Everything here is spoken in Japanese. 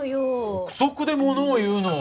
臆測で物を言うのは。